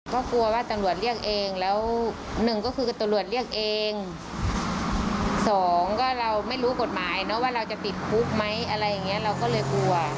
ก็กลัวว่าตำรวจเรียกเองแล้วหนึ่งก็คือตำรวจเรียกเองสองก็เราไม่รู้กฎหมายเนอะว่าเราจะติดคุกไหมอะไรอย่างเงี้ยเราก็เลยกลัว